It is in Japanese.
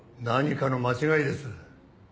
何かの間違いです。